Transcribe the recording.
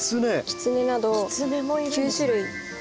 キツネなど９種類。